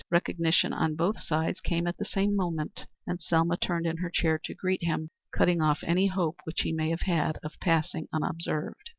Recognition on both sides came at the same moment, and Selma turned in her chair to greet him, cutting off any hope which he may have had of passing unobserved.